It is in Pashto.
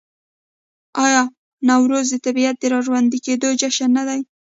آیا نوروز د طبیعت د راژوندي کیدو جشن نه دی؟